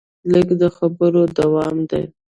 لیک د خبرو دوام دی.